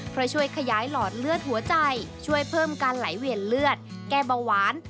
เพราะช่วยขยายหลอดเลือดหัวใจช่วยเพิ่มการไหลเวียนเลือดแก้เบาหวาน